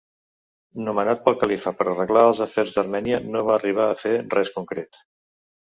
Nomenat pel califa per arreglar els afers d'Armènia no va arribar a fer res concret.